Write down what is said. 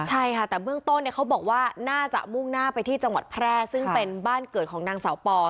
ใช่ค่ะแต่เบื้องต้นเขาบอกว่าน่าจะมุ่งหน้าไปที่จังหวัดแพร่ซึ่งเป็นบ้านเกิดของนางสาวปอ